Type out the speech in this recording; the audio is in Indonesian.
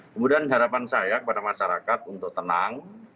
kemudian harapan saya kepada masyarakat untuk tenang